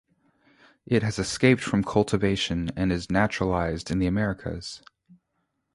It has escaped from cultivation and is naturalized in the Americas.